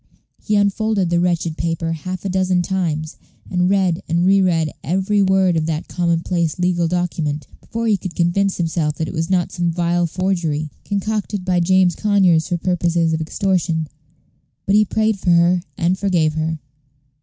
He unfolded the wretched paper half a dozen times, and read and reread every word of that commonplace legal document, before he could convince himself that it was not some vile forgery, concocted by James Conyers for purposes of extortion. But he prayed for her, and forgave her.